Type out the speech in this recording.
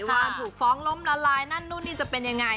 ว่าถูกฟ้องล้มละลายนั่นนู่นนี่จะเป็นยังไง